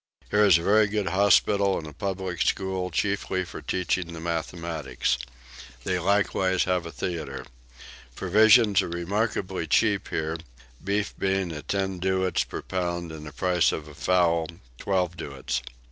Here is a very good hospital and a public school, chiefly for teaching the mathematics. They have likewise a theatre. Provisions are remarkably cheap here, beef being at ten doits per pound and the price of a fowl 12 doits.